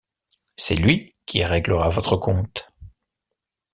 C’est lui qui réglera votre compte.